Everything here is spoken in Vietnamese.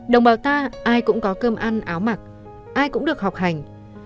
đồng bào ta ai cũng có cơm ăn áo mặc ai cũng được học hành